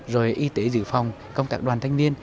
rồi y tế dự phòng công tác đoàn thanh niên